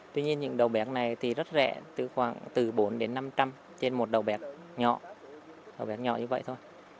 tuy nhiên những đầu bẹc này thì rất rẻ khoảng từ bốn trăm linh năm trăm linh trên một đầu bẹc nhỏ